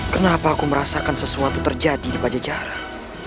kenapa aku merasakan sesuatu terjadi di pajajaran